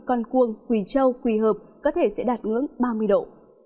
con cuông quỳ châu quỳ hợp có thể sẽ đạt ngưỡng ba mươi độ